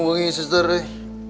bila kamu sudah berubah